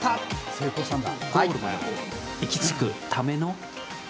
成功したんだ。